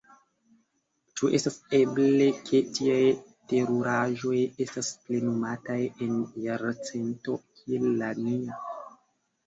Ĉu estas eble, ke tiaj teruraĵoj estas plenumataj en jarcento kiel la nia!